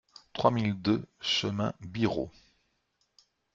trois mille deux chemin Birot